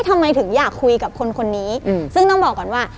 ทำไมถึงอยากคุยกับคนคนนี้ซึ่งต้องบอกก่อนว่า